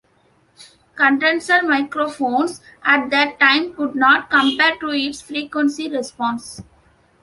Condenser microphones at the time could not compare to its frequency response.